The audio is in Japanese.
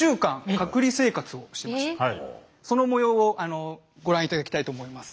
そのもようをご覧頂きたいと思います。